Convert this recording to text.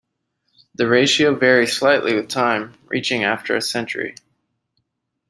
The ratio varies slightly with time, reaching after a century.